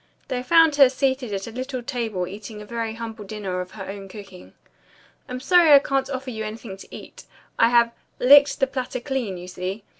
They found her seated at her little table eating a very humble dinner of her own cooking. "I'm sorry I can't offer you anything to eat. I have 'licked the platter clean,' you see.